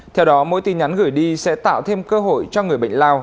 theo đó mỗi tin nhắn gửi đi sẽ tạo thêm cơ hội cho người bệnh lao